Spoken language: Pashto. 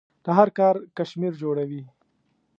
له هر کار کشمیر جوړوي.